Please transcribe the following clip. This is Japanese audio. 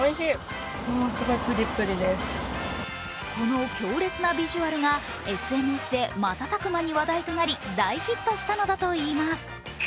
この強烈なビジュアルがＳＮＳで瞬く間に話題となり大ヒットしたのだといいます。